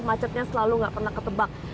macetnya selalu nggak pernah ketebak